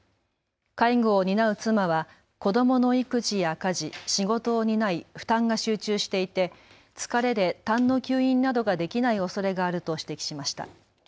介護を担う妻は子どもの育児や家事、仕事を担い負担が集中していて疲れでたんの吸引などができないおそれがあると指摘しました。